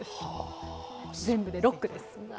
全部で６句です。